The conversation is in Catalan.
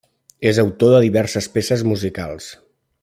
És autor de diverses peces musicals.